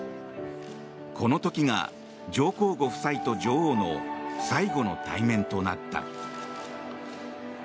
この時が上皇ご夫妻と女王の最後の対面となった。